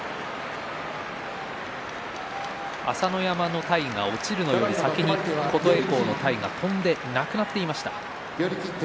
朝乃山の体が落ちるのより先に琴恵光の体が飛んでなくなっていました。